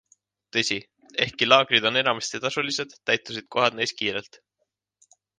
Tõsi, ehkki laagrid on enamasti tasulised, täitusid kohad neis kiirelt.